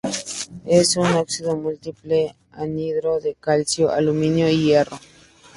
Es un óxido múltiple anhidro de calcio, aluminio y hierro.